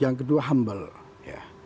yang kedua humble